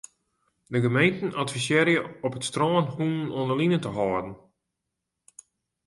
De gemeenten advisearje om op it strân hûnen oan 'e line te hâlden.